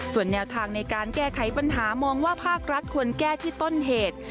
ส่วนแนวทางในการแก้ไขปัญหามองว่าภาครัฐควรแก้ที่ต้นเหตุ